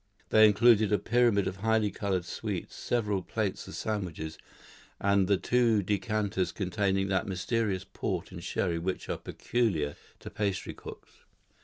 They included a pyramid of highly coloured sweets, several plates of sandwiches, and the two decanters containing that mysterious port and sherry which are peculiar to pastry cooks.